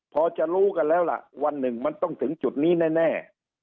พอจะรู้กันแล้วล่ะวันหนึ่งมันต้องถึงจุดนี้แน่